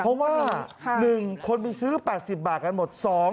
เพราะว่า๑คนไปซื้อ๘๐บาทกันหมด